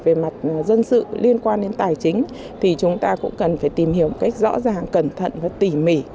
về mặt dân sự liên quan đến tài chính thì chúng ta cũng cần phải tìm hiểu một cách rõ ràng cẩn thận và tỉ mỉ